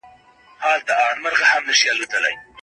د مقطعاتو حروفو په معناوو يوازي الله تعالی پوره پوهيږي.